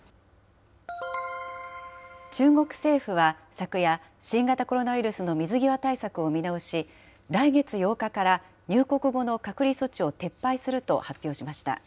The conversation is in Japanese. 中国政府は昨夜、新型コロナウイルスの水際対策を見直し、来月８日から入国後の隔離措置を撤廃すると発表しました。